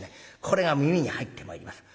これが耳に入ってまいります。